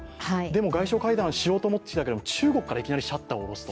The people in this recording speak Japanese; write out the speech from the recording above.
でも外相会談しようと思ったけど中国からシャッターを下ろす。